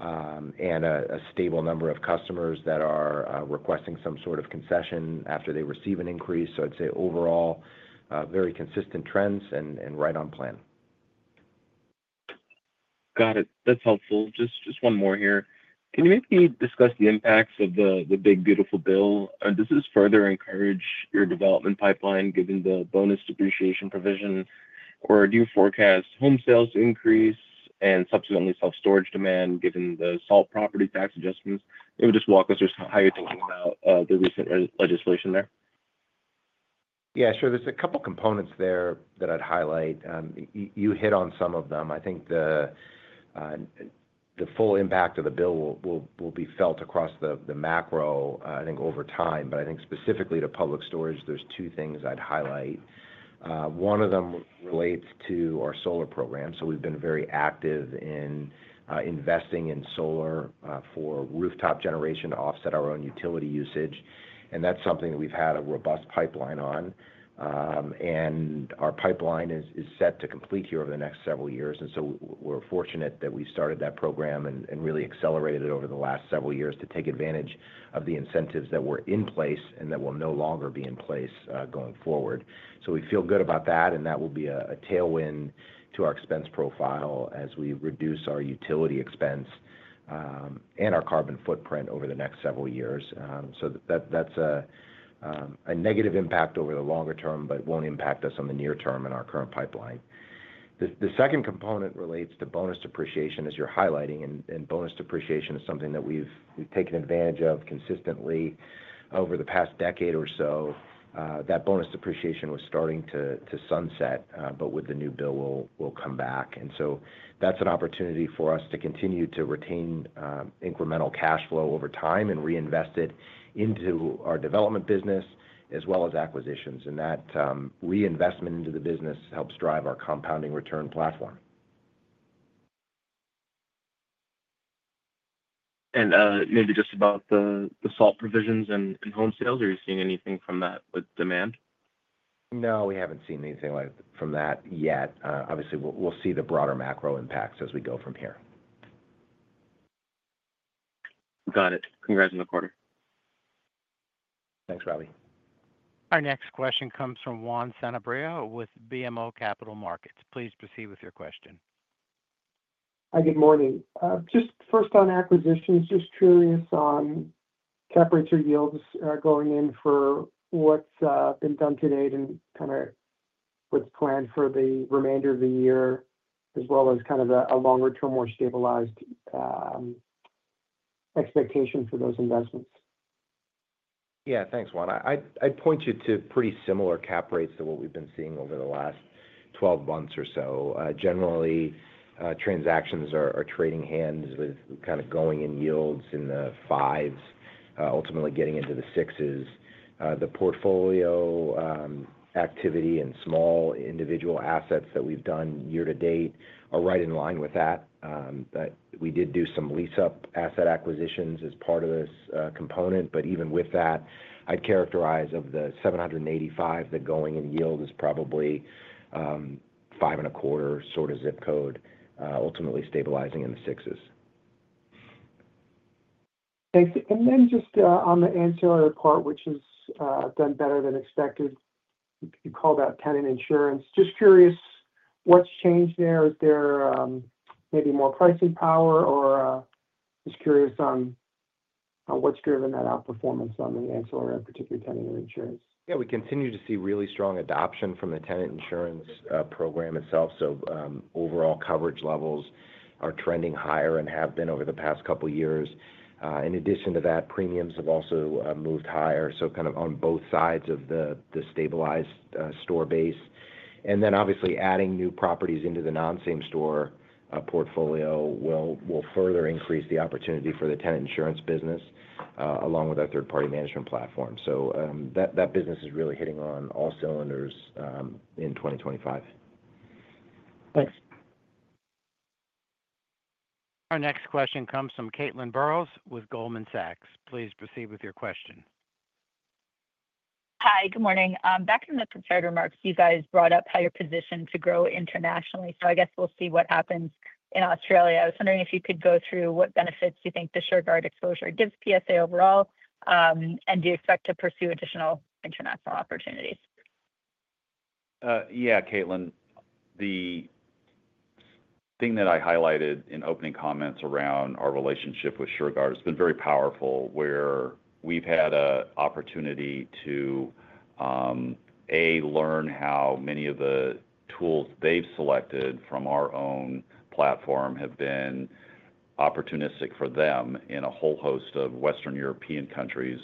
and a stable number of customers that are requesting some sort of concession after they receive an increase. I'd say overall, very consistent trends and right on plan. Got it. That's helpful. Just one more here. Can you maybe discuss the impacts of the big beautiful bill? Does this further encourage your development pipeline given the bonus depreciation provision? Do you forecast home sales to increase and subsequently self-storage demand given the SALT property tax adjustments? Maybe just walk us through how you're thinking about the recent legislation there. Yeah, sure. There's a couple of components there that I'd highlight. You hit on some of them. I think the full impact of the bill will be felt across the macro, I think, over time. I think specifically to Public Storage, there's two things I'd highlight. One of them relates to our solar program. We've been very active in investing in solar for rooftop generation to offset our own utility usage. That's something that we've had a robust pipeline on, and our pipeline is set to complete here over the next several years. We're fortunate that we started that program and really accelerated it over the last several years to take advantage of the incentives that were in place and that will no longer be in place going forward. We feel good about that, and that will be a tailwind to our expense profile as we reduce our utility expense and our carbon footprint over the next several years. That's a negative impact over the longer term, but won't impact us in the near term in our current pipeline. The second component relates to bonus depreciation, as you're highlighting. Bonus depreciation is something that we've taken advantage of consistently over the past decade or so. That bonus depreciation was starting to sunset, but with the new bill, will come back. That's an opportunity for us to continue to retain incremental cash flow over time and reinvest it into our development business as well as acquisitions. That reinvestment into the business helps drive our compounding return platform. Regarding the SALT provisions and home sales, are you seeing anything from that with demand? No, we haven't seen anything from that yet. Obviously, we'll see the broader macro impacts as we go from here. Got it. Congrats on the quarter. Thanks, Ravi. Our next question comes from Juan Sanabria with BMO Capital Markets. Please proceed with your question. Hi, good morning. Just first on acquisitions, just curious on temperature yields going in for what's been done to date and kind of what's planned for the remainder of the year, as well as kind of a longer-term, more stabilized expectation for those investments. Yeah, thanks, Juan. I'd point you to pretty similar cap rates to what we've been seeing over the last 12 months or so. Generally, transactions are trading hands with kind of going in yields in the fives, ultimately getting into the sixes. The portfolio activity and small individual assets that we've done year to date are right in line with that. We did do some lease-up asset acquisitions as part of this component. Even with that, I'd characterize of the 785, the going in yield is probably five and a quarter sort of zip code, ultimately stabilizing in the sixes. Thanks. On the ancillary part, which has done better than expected, you call that tenant insurance. Just curious, what's changed there? Is there maybe more pricing power? Just curious on what's driven that outperformance on the ancillary, particularly tenant insurance? Yeah, we continue to see really strong adoption from the tenant insurance program itself. Overall coverage levels are trending higher and have been over the past couple of years. In addition to that, premiums have also moved higher, kind of on both sides of the stabilized store base. Obviously, adding new properties into the non-same-store portfolio will further increase the opportunity for the tenant insurance business, along with our third-party management platform. That business is really hitting on all cylinders in 2025. Thanks. Our next question comes from Caitlin Burrows with Goldman Sachs. Please proceed with your question. Hi, good morning. Back from the prepared remarks, you guys brought up how you're positioned to grow internationally. I guess we'll see what happens in Australia. I was wondering if you could go through what benefits you think the Shurgard exposure gives Public Storage overall. Do you expect to pursue additional international opportunities? Yeah, Caitlin. The thing that I highlighted in opening comments around our relationship with Shurgard has been very powerful, where we've had an opportunity to, A, learn how many of the tools they've selected from our own platform have been opportunistic for them in a whole host of Western European countries,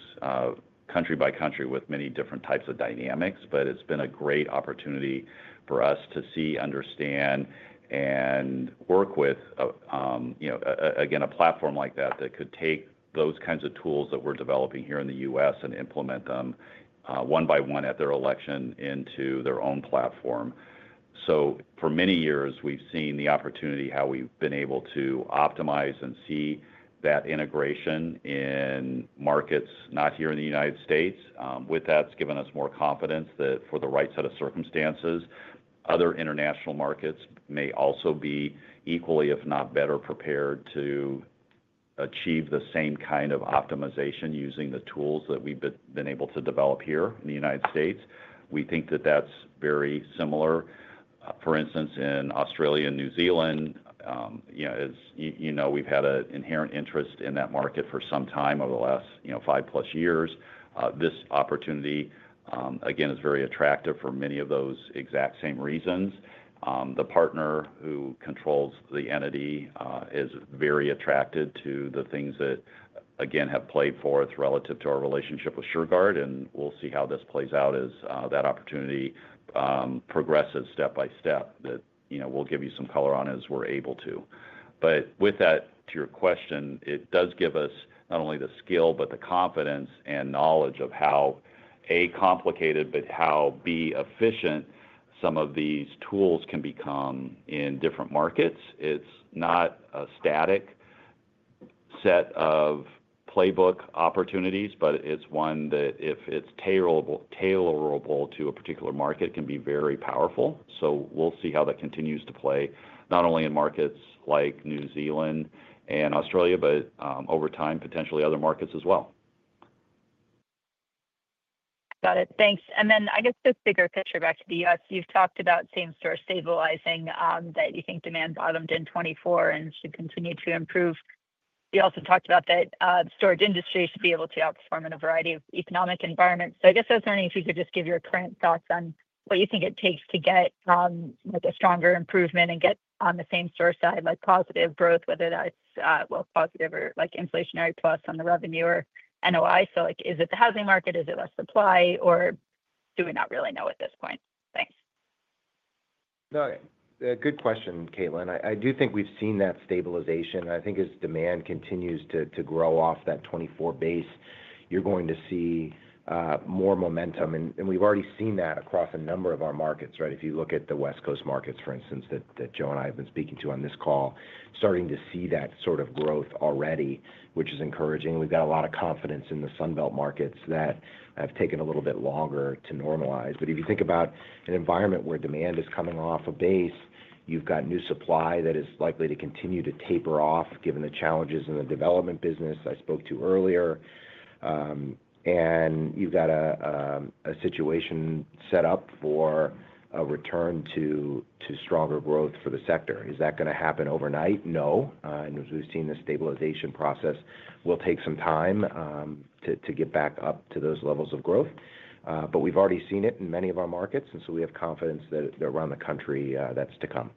country by country, with many different types of dynamics. It's been a great opportunity for us to see, understand, and work with a platform like that that could take those kinds of tools that we're developing here in the U.S. and implement them one by one at their election into their own platform. For many years, we've seen the opportunity, how we've been able to optimize and see that integration in markets not here in the United States. With that, it's given us more confidence that for the right set of circumstances, other international markets may also be equally, if not better, prepared to achieve the same kind of optimization using the tools that we've been able to develop here in the United States. We think that that's very similar, for instance, in Australia and New Zealand. As you know, we've had an inherent interest in that market for some time over the last five-plus years. This opportunity, again, is very attractive for many of those exact same reasons. The partner who controls the entity is very attracted to the things that have played forth relative to our relationship with Shurgard. We'll see how this plays out as that opportunity progresses step by step that we'll give you some color on as we're able to. To your question, it does give us not only the skill, but the confidence and knowledge of how, A, complicated, but how, B, efficient some of these tools can become in different markets. It's not a static set of playbook opportunities, but it's one that, if it's tailorable to a particular market, can be very powerful. We'll see how that continues to play, not only in markets like New Zealand and Australia, but over time, potentially other markets as well. Got it. Thanks. I guess the bigger picture back to the U.S., you've talked about same-store stabilizing, that you think demand bottomed in 2024 and should continue to improve. You also talked about that the storage industry should be able to outperform in a variety of economic environments. I guess I was wondering if you could just give your current thoughts on what you think it takes to get a stronger improvement and get on the same-store side, like positive growth, whether that's positive or inflationary plus on the revenue or NOI. Is it the housing market? Is it less supply? Or do we not really know at this point? Thanks. No, good question, Caitlin. I do think we've seen that stabilization. I think as demand continues to grow off that 2024 base, you're going to see more momentum. We've already seen that across a number of our markets, right? If you look at the West Coast markets, for instance, that Joe and I have been speaking to on this call, starting to see that sort of growth already, which is encouraging. We've got a lot of confidence in the Sunbelt markets that have taken a little bit longer to normalize. If you think about an environment where demand is coming off a base, you've got new supply that is likely to continue to taper off given the challenges in the development business I spoke to earlier, and you've got a situation set up for a return to stronger growth for the sector. Is that going to happen overnight? No. As we've seen, the stabilization process will take some time to get back up to those levels of growth. We've already seen it in many of our markets, and we have confidence that around the country that's to come.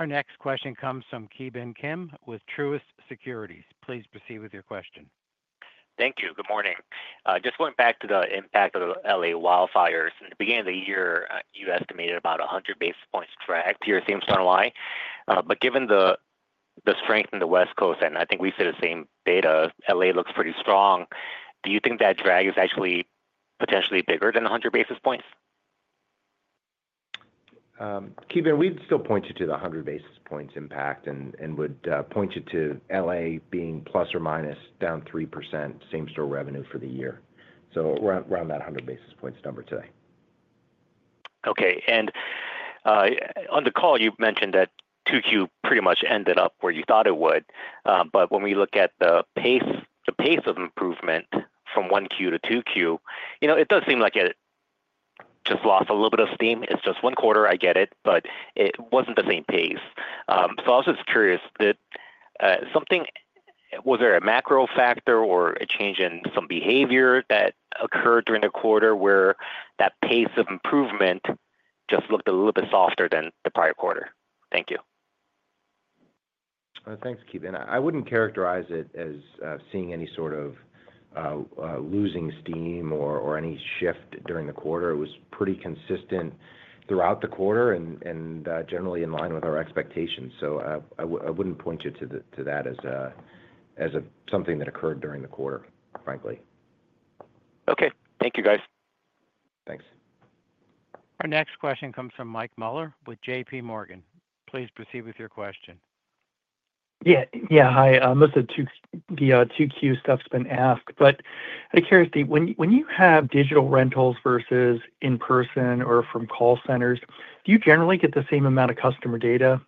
Thanks. Our next question comes from Ki Bin Kim with Truist Securities. Please proceed with your question. Thank you. Good morning. Just going back to the impact of the LA wildfires. In the beginning of the year, you estimated about 100 basis points drag to your same-store NOI. Given the strength in the West Coast, and I think we see the same data, LA looks pretty strong. Do you think that drag is actually potentially bigger than 100 basis points? Keeban, we'd still point you to the 100 basis points impact and would point you to Los Angeles being plus or minus down 3% same-store revenue for the year. Around that 100 basis points number today. On the call, you mentioned that 2Q pretty much ended up where you thought it would. When we look at the pace of improvement from 1Q to 2Q, it does seem like it just lost a little bit of steam. It's just one quarter, I get it, but it wasn't the same pace. I was just curious, was there a macro factor or a change in some behavior that occurred during the quarter where that pace of improvement just looked a little bit softer than the prior quarter? Thank you. Thanks, Ki Bin. I wouldn't characterize it as seeing any sort of losing steam or any shift during the quarter. It was pretty consistent throughout the quarter and generally in line with our expectations. I wouldn't point you to that as something that occurred during the quarter, frankly. Okay, thank you, guys. Thanks. Our next question comes from Mike Mueller with JPMorgan. Please proceed with your question. Hi. Most of the 2Q stuff's been asked. Out of curiosity, when you have digital rentals versus in-person or from call centers, do you generally get the same amount of customer data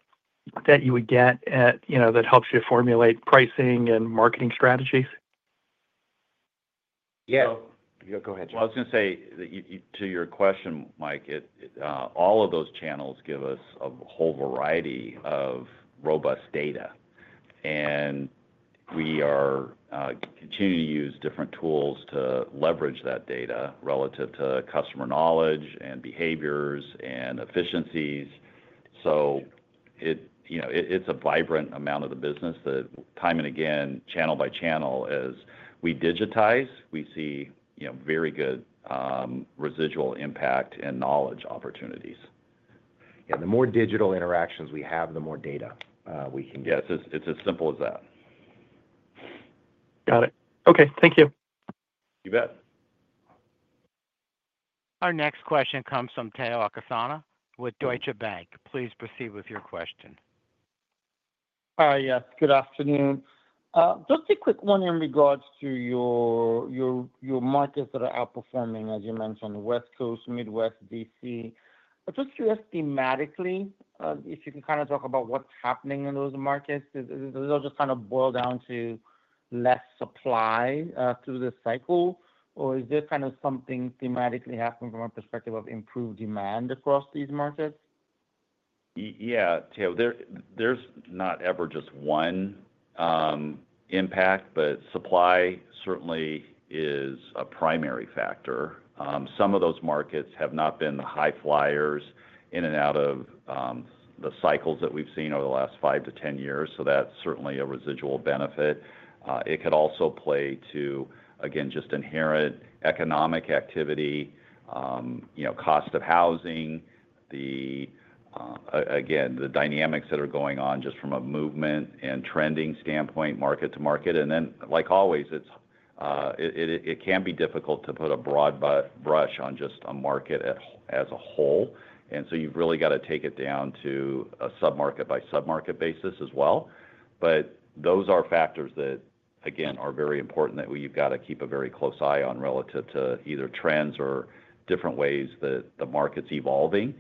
that you would get that helps you formulate pricing and marketing strategies? Go ahead, Jim. To your question, Mike, all of those channels give us a whole variety of robust data. We are continuing to use different tools to leverage that data relative to customer knowledge and behaviors and efficiencies. It's a vibrant amount of the business that time and again, channel by channel, as we digitize, we see very good residual impact and knowledge opportunities. The more digital interactions we have, the more data we can get. Yes. It's as simple as that. Got it. Okay. Thank you. You bet. Our next question comes from Teo Akasana with Deutsche Bank. Please proceed with your question. Hi. Yes. Good afternoon. Just a quick one in regards to your markets that are outperforming, as you mentioned, West Coast, Midwest, D.C. Just curious thematically, if you can kind of talk about what's happening in those markets. Does it all just kind of boil down to less supply through the cycle, or is there kind of something thematically happening from a perspective of improved demand across these markets? Yeah, Teo. There's not ever just one impact, but supply certainly is a primary factor. Some of those markets have not been the high flyers in and out of the cycles that we've seen over the last 5 to 10 years. That's certainly a residual benefit. It could also play to, again, just inherent economic activity. Cost of housing, again, the dynamics that are going on just from a movement and trending standpoint, market to market. It can be difficult to put a broad brush on just a market as a whole, so you've really got to take it down to a submarket-by-submarket basis as well. Those are factors that, again, are very important that you've got to keep a very close eye on relative to either trends or different ways that the market's evolving.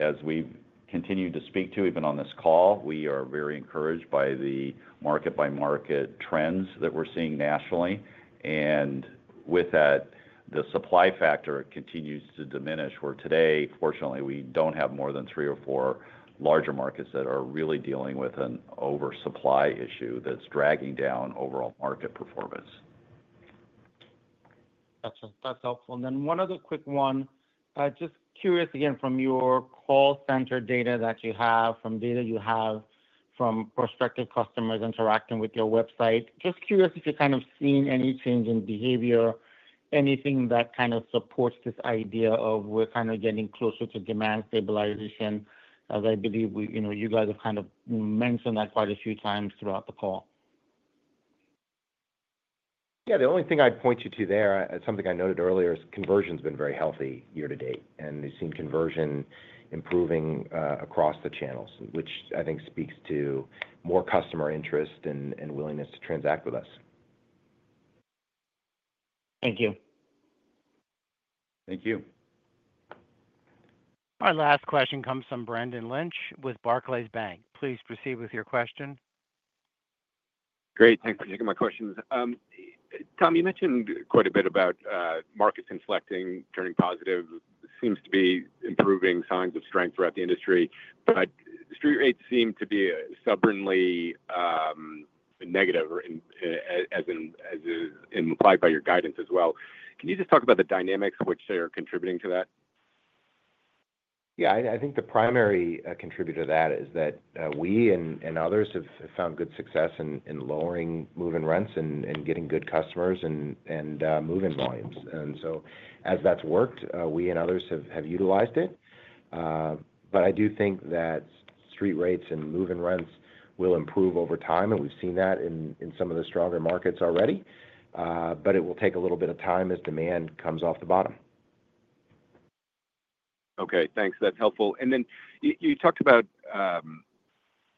As we continue to speak to, even on this call, we are very encouraged by the market-by-market trends that we're seeing nationally. With that, the supply factor continues to diminish, where today, fortunately, we don't have more than three or four larger markets that are really dealing with an oversupply issue that's dragging down overall market performance. That's helpful. One other quick one. Just curious, from your call center data that you have, from data you have from prospective customers interacting with your website, just curious if you're kind of seeing any change in behavior, anything that kind of supports this idea of we're kind of getting closer to demand stabilization, as I believe you guys have kind of mentioned that quite a few times throughout the call. The only thing I'd point you to there, something I noted earlier, is conversion has been very healthy year to date. We've seen conversion improving across the channels, which I think speaks to more customer interest and willingness to transact with us. Thank you. Thank you. Our last question comes from Brendan Lynch with Barclays Bank. Please proceed with your question. Great. Thanks for taking my questions. Tom, you mentioned quite a bit about markets inflecting, turning positive. It seems to be improving signs of strength throughout the industry. However, street rates seem to be stubbornly negative, implied by your guidance as well. Can you just talk about the dynamics which are contributing to that? Yeah. I think the primary contributor to that is that we and others have found good success in lowering move-in rents and getting good customers and move-in volumes. As that's worked, we and others have utilized it. I do think that street rates and move-in rents will improve over time. We've seen that in some of the stronger markets already. It will take a little bit of time as demand comes off the bottom. Okay. Thanks. That's helpful. You talked about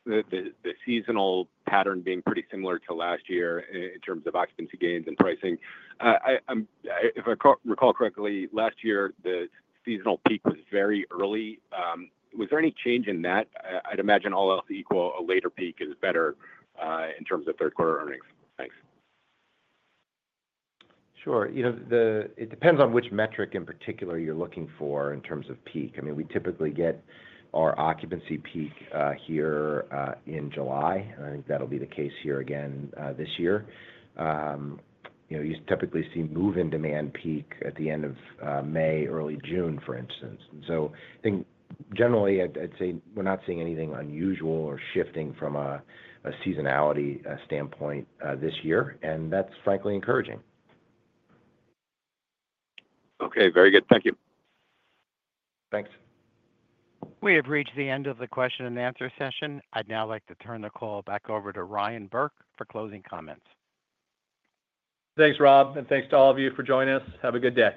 the seasonal pattern being pretty similar to last year in terms of occupancy gains and pricing. If I recall correctly, last year the seasonal peak was very early. Was there any change in that? I'd imagine all else equal, a later peak is better in terms of third-quarter earnings. Thanks. Sure. It depends on which metric in particular you're looking for in terms of peak. I mean, we typically get our occupancy peak here in July. I think that'll be the case here again this year. You typically see move-in demand peak at the end of May, early June, for instance. I think generally, I'd say we're not seeing anything unusual or shifting from a seasonality standpoint this year. That's frankly encouraging. Okay, very good. Thank you. Thanks. We have reached the end of the question-and-answer session. I'd now like to turn the call back over to Ryan Burke for closing comments. Thanks, Rob. Thanks to all of you for joining us. Have a good day.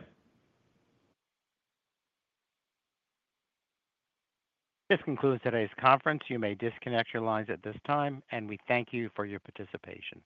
This concludes today's conference. You may disconnect your lines at this time. We thank you for your participation.